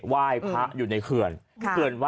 ไหว้พระอยู่ในเขื่อน